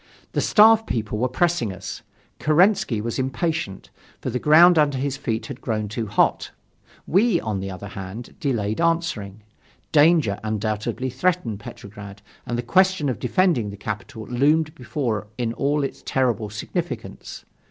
The Staff people were pressing us, Kerensky was impatient, for the ground under his feet had grown too hot. We, on the other hand, delayed answering. Danger undoubtedly threatened Petrograd and the question of defending the capital loomed before us in all its terrible significance.